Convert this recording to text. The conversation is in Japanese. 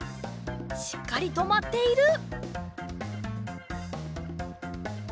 しっかりとまっている！